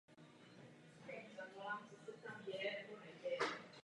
Poprvé použil termíny bezobratlí a biologie.